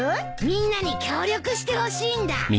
みんなに協力してほしいんだ。